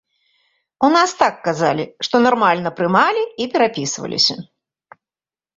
У нас так казалі, што нармальна прымалі і перапісваліся.